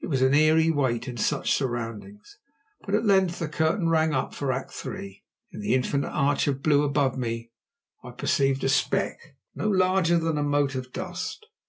It was an eerie wait in such surroundings, but at length the curtain rang up for Act 3. In the infinite arch of blue above me I perceived a speck, no larger than a mote of dust.